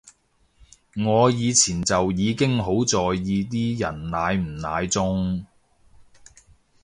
我以前就已經好在意啲人奶唔奶中